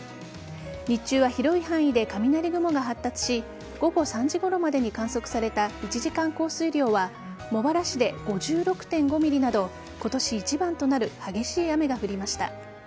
日中は広い範囲で雷雲が発達し午後３時ごろまでに観測された１時間降水量は茂原市で５６．５ｍｍなど今年一番となる激しい雨が降りました。